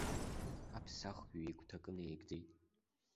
Аԥсахҩы игәҭакы неигӡеит.